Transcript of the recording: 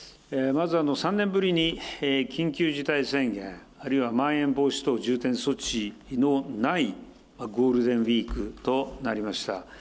まず３年ぶりに緊急事態宣言、あるいはまん延防止等重点措置のないゴールデンウィークとなりました。